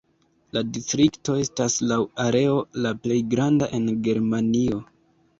La distrikto estas laŭ areo la plej granda en Germanio.